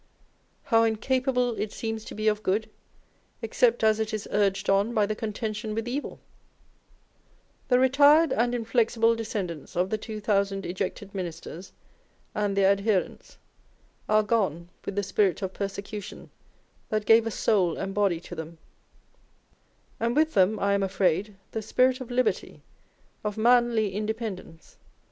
How incapable it seems to be of good, except as it is urged on by the contention witli evil! The retired and inflexible descend ants of the Two Thousand Ejected Ministers and their adherents are gone with the spirit of persecution that gave a soul and body to them ; and with them, I am afraid, the spirit of liberty, of manly independence, and of inward self respect is nearly extinguished in England.